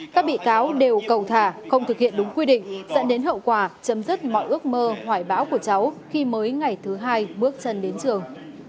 các bị cáo đều cầu thả không thực hiện đúng quy định dẫn đến hậu quả chấm dứt mọi ước mơ hoài bão của cháu khi mới ngày thứ hai bước chân đến trường